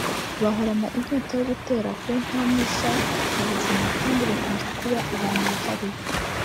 bahorana inyota yo gutera ku ntamwe nshya mu buzima kandi bakunze kuba abantu bihariye